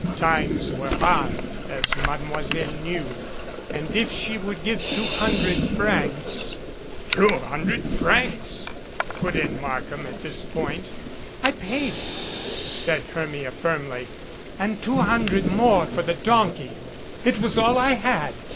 Times were MADCAP _^^ hard, as Mademoiselle knew, and if she would give two hundred francs "Two hundred francs !" put in Markham at this point. "I paid it," said Hermia, firmly, "and two hundred more for the donkey. It was all I had.